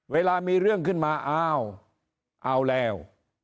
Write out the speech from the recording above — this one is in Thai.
เวลามีเรื่องขึ้นมาอ้าวเอาแล้ว